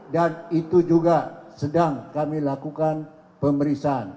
dan itu juga sedang kami lakukan pemeriksaan